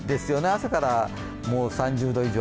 朝から３０度以上。